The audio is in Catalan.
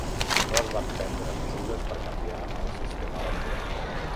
No es van prendre mesures per canviar el sistema electoral.